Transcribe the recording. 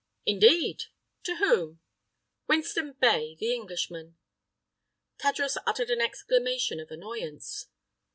"Indeed! To whom?" "Winston Bey, the Englishman." Tadros uttered an exclamation of annoyance.